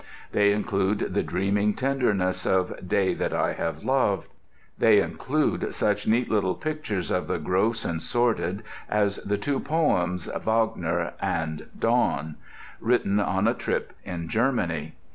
They include the dreaming tenderness of Day That I Have Loved; they include such neat little pictures of the gross and sordid as the two poems Wagner and Dawn, written on a trip in Germany.